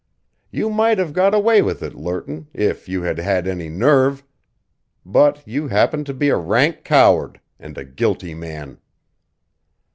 You might have got away with it, Lerton, if you had had any nerve. But you happen to be a rank coward and a guilty man!"